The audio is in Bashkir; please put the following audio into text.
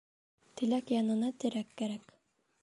Теләк янына терәк кәрәк.